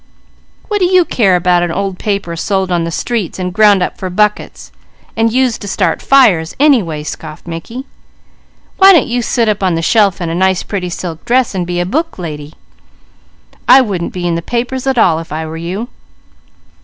"What do you care about an old paper sold on the streets, and ground up for buckets, and used to start fires, anyway?" scoffed Mickey. "Why don't you sit up on the shelf in a nice pretty silk dress and be a book lady? I wouldn't be in the papers at all, if I were you."